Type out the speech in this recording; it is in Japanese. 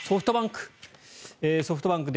ソフトバンク。